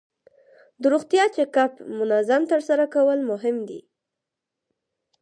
د روغتیا چک اپ منظم ترسره کول مهم دي.